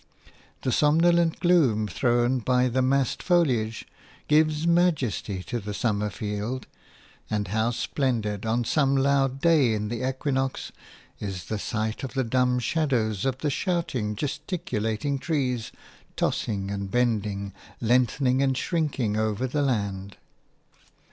The somnolent gloom thrown by the massed foliage gives majesty to the summer field; and how splendid, on some loud day in the equinox, is the sight of the dumb shadows of the shouting, gesticulating trees, tossing and bending, lengthening and shrinking over the land.